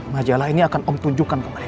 majalah ini om akan tunjukkan kembali